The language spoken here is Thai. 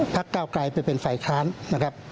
ก้าวไกลไปเป็นฝ่ายค้านนะครับ